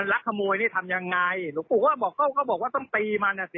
รักตังเขามา๒๐๐